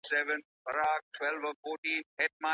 د بریا رڼا یوازي مستحقو ته نه سي سپارل کېدلای.